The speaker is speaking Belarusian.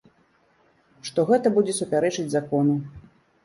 Што гэта будзе супярэчыць закону.